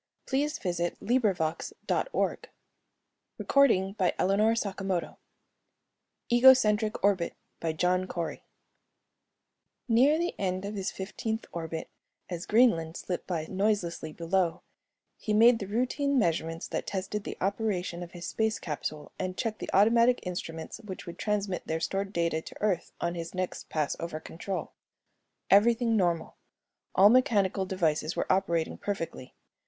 It may not take so long for a spaceman to learn ..._ By JOHN CORY Illustrated by Gardner Near the end of his fifteenth orbit as Greenland slipped by noiselessly below, he made the routine measurements that tested the operation of his space capsule and checked the automatic instruments which would transmit their stored data to Earth on his next pass over Control. Everything normal; all mechanical devices were operating perfectly.